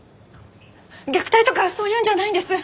虐待とかそういうんじゃないんです。